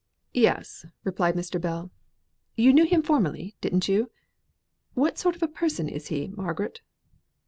"Yes," replied Mr. Bell. "You knew him formerly, didn't you? What sort of a person is he, Margaret?"